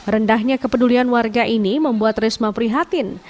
rendahnya kepedulian warga ini membuat risma prihatin